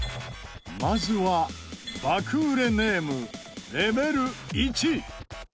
まずは爆売れネームレベル１。